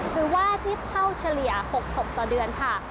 หรือว่าเทียบเท่าเฉลี่ย๖ศพต่อเดือนค่ะ